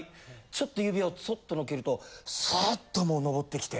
ちょっと指をそっとのっけるとサーっともうのぼってきて。